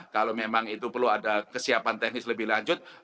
kalau memang itu perlu ada kesiapan teknis lebih lanjut